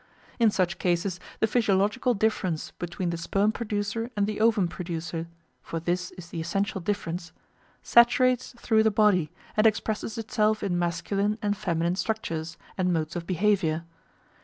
In such cases the physiological difference between the sperm producer and the ovum producer, for this is the essential difference, saturates through the body and expresses itself in masculine and feminine structures and modes of behaviour.